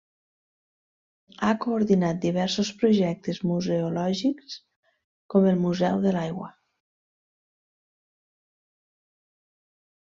Ha coordinat diversos projectes museològics, com el Museu de l'Aigua.